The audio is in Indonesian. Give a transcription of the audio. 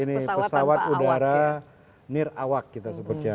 ya ini pesawat udara nirawak kita sebutnya